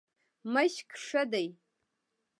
مشق ښه دی.